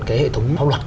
cái hệ thống hóa luật